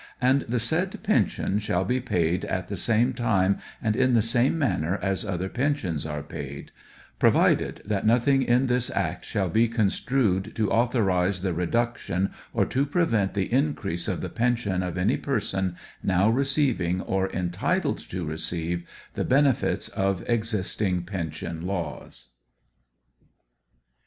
And the said pension shall be paid at the same time and in the same manner as other pensions are paid : Provided^ That nothing in this act shall be con strued to authorize the reduction or to prevent the increase of the pension of any person now receiving or entitled to receive the benefits of existing pension laws.